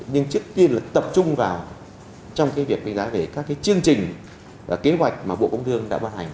nhưng trước tiên là tập trung vào trong việc đánh giá về các chương trình và kế hoạch mà bộ công thương đã bàn hành